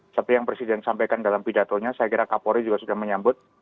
seperti yang presiden sampaikan dalam pidatonya saya kira kapolri juga sudah menyambut